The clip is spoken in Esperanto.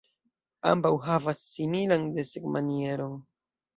Ambaŭ havas similan desegn-manieron.